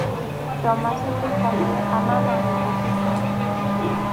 Tomasitoy Condoriqa, manam limbopichu.